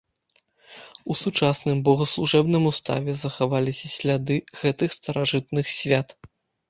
У сучасным богаслужэбным уставе захаваліся сляды гэтых старажытных свят.